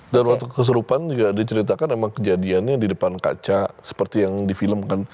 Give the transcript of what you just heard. dan waktu kesurupan juga diceritakan kejadiannya di depan kaca seperti yang difilmkan